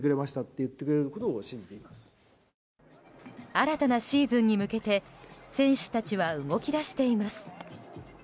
新たなシーズンに向けて選手たちは動き出しています。